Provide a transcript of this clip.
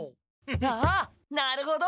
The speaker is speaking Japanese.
ああなるほど。